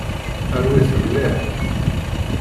Rwi-t mliḥ.